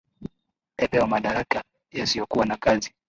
epewa madaraka yasiokua na kazi